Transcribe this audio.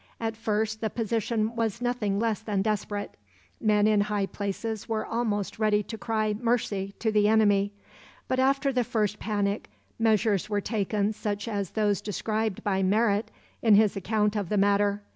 At first the position was nothing less than desperate; men in high places were almost ready to cry "mercy" to the enemy. But, after the first panic, measures were taken such as those described by Merritt in his account of the matter.